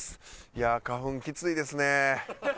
いやあ花粉きついですね。